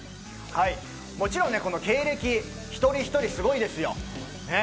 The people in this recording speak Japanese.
もちろんね、経歴、一人一人すごいですよ。